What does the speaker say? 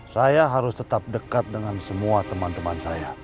saya harus tetap dekat dengan semua teman teman saya